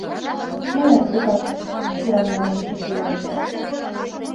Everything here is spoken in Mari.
— Мыят тугак, — туран мане Чекулаев.